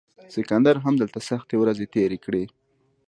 سکندر هم دلته سختې ورځې تیرې کړې